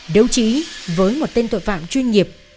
đấu trí với một tên tội phạm chuyên nghiệp